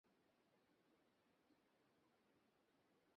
কিন্তু অদূর ভবিষ্যতে চাহিদার বিপরীতে নদীপথে দ্রুত পরিবহন সম্ভব হবে না।